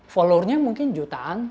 followernya mungkin jutaan